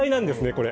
これ。